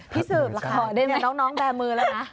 พี่สืบล่ะคะเดินเหมือนน้องแบบมือแล้วนะ